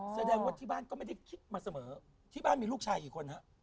แสดงว่าที่บ้านก็ไม่ได้คิดมาเสมอที่บ้านมีลูกชายกี่คนฮะ